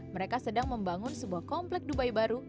mereka sedang membangun sebuah komplek dubai baru